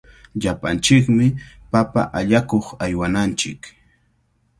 Llapanchikmi papa allakuq aywananchik.